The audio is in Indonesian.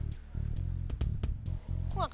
jadi apa kita harus lakukan